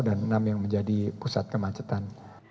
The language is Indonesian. yang paling jauh dan enam yang menjadi pusat kemacetan